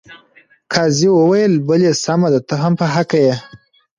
قاضي وویل بلې سمه ده ته هم په حقه یې.